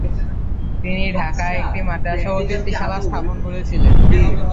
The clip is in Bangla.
তিনি ঢাকায় একটি মাদ্রাসা ও অতিথিশালা স্থাপন করেছিলেন।